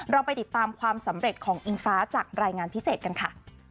เราไปติดตามความสำเร็จของอิงฟ้าจากรายงานพิเศษกันค่ะ